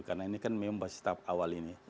karena ini kan memang masih tahap awal ini